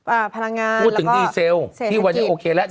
พลังงานพูดถึงดีเซลใช่ที่วันนี้โอเคแล้ว